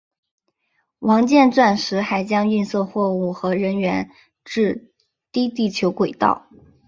王剑钻石还将运送货物和人员至低地球轨道。